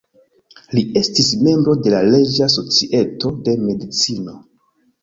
Li estis membro de la "Reĝa Societo de Medicino".